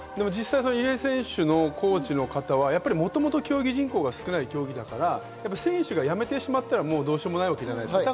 入江選手のコーチの方はもともと競技人口が少ない競技だから、選手はやめてしまったらどうしようもないわけじゃないですか。